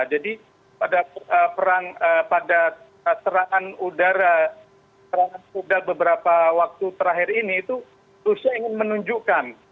jadi pada perang pada serangan udara perang sudah beberapa waktu terakhir ini itu rusia ingin menunjukkan